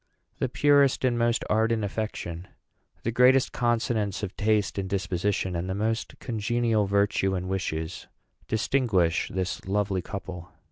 The purest and most ardent affection, the greatest consonance of taste and disposition, and the most congenial virtue and wishes distinguish this lovely couple.